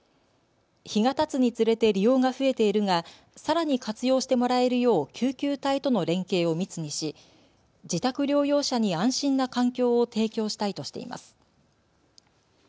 日がたつにつれて利用が増えているがさらに活用してもらえるよう救急隊との連携を密にし自宅療養者に安心な環境を提供したいとしています。